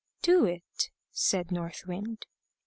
"Do it," said North Wind.